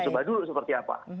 dicembah dulu seperti apa